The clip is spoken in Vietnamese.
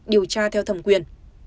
điều tra theo thẩm quyền